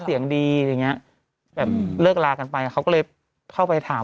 เสียงดีอะไรอย่างเงี้ยแบบเลิกลากันไปเขาก็เลยเข้าไปถาม